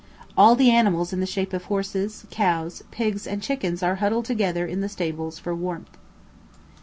All the animals in the shape of horses, cows, pigs and chickens are huddled together in the stables for warmth.